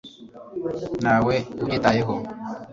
ntawe ubyitayeho